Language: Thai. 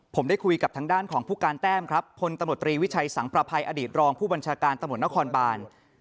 ผมได้คุยกับทางด้านของผู้การแต้มครับพลตำรวจตรีวิชัยสังประภัยอดีตรองผู้บัญชาการตำรวจนครบาน